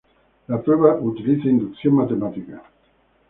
La prueba utiliza inducción matemática.